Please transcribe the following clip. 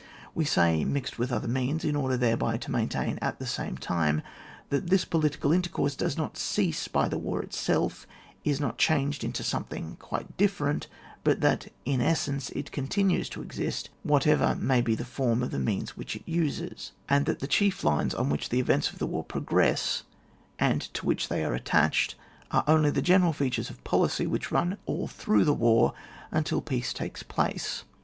We say, mixed with other means, in order thereby to maintain at the same time that this political inter course does not cease by the^war itself, is not changed into something quite differ ent, but that, in its essence, it continues to exist, whatever may be the form of the means which it uses, and that the chief VOL. III« lines on which the events of the war pro gress, and to which they are attached, are only the general features of policy which run all through the war imtil peace takes place.